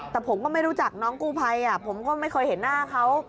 แต่ผมก็ไม่รู้จักน้องกู้ภัยผมก็ไม่เคยเห็นหน้าเขา